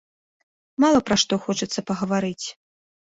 Мала пра што хочацца пагаварыць!